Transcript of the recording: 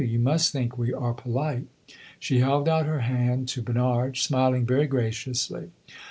You must think we are polite." She held out her hand to Bernard, smiling very graciously.